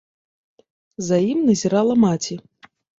За ім назірала маці.